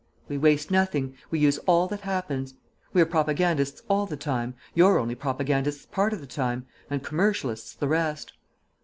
We waste nothing; we use all that happens. We're propagandists all the time, you're only propagandists part of the time; and commercialists the rest."